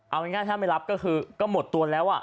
เอาง่ายถ้าไม่รับก็คือก็หมดตัวแล้ว